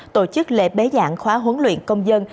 tổ chức lễ bế giảng khóa huấn luyện công dân